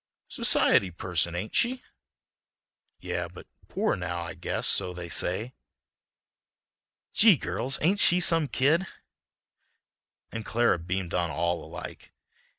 "Society person, ain't she?" "Yeah, but poor now, I guess; so they say." "Gee! girls, ain't she some kid!" And Clara beamed on all alike.